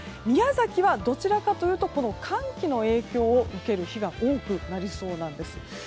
宮崎はどちらかというと寒気の影響を受ける日が多くなりそうなんです。